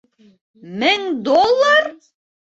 Мең доллар?!